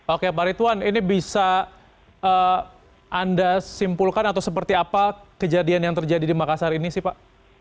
oke pak ritwan ini bisa anda simpulkan atau seperti apa kejadian yang terjadi di makassar ini sih pak